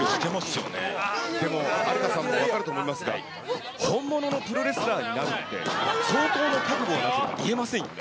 でも有田さんも分かると思いますが、本物のプロレスラーになるって、相当の覚悟がないと言えませんよね。